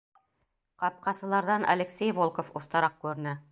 Ҡапҡасыларҙан Алексей Волков оҫтараҡ күренә.